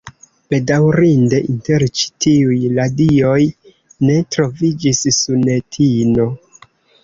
Bedaŭrinde inter ĉi tiuj radioj ne troviĝis Sunetino.